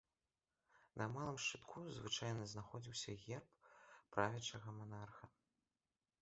На малым шчытку звычайна знаходзіўся герб правячага манарха.